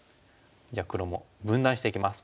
じゃあ黒も分断していきます。